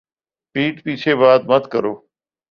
پِیٹھ پیچھے بات مت کرو